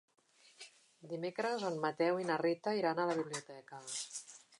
Dimecres en Mateu i na Rita iran a la biblioteca.